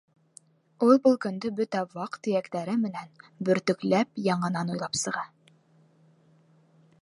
Ул был көндө бөтә ваҡ-төйәктәре менән бөртөкләп яңынан уйлап сыға.